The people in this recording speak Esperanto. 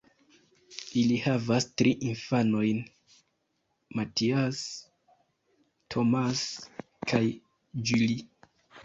Ili havas tri infanojn: Matthias, Thomas kaj Julie.